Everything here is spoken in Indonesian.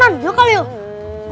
jangan kali yuk